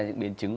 những biến chứng